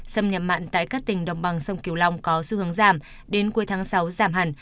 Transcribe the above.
xâm nhập mặn tại các tỉnh đồng bằng sông kiều long có xu hướng giảm đến cuối tháng sáu giảm hẳn